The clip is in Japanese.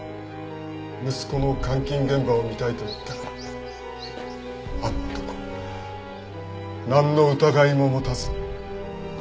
息子の監禁現場を見たいと言ったらあの男なんの疑いも持たず。